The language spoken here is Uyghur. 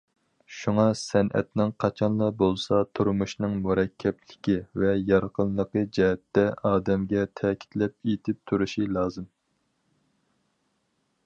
شۇڭا، سەنئەتنىڭ قاچانلا بولسا تۇرمۇشنىڭ مۇرەككەپلىكى ۋە يارقىنلىقى جەھەتتە ئادەمگە تەكىتلەپ ئېيتىپ تۇرۇشى لازىم.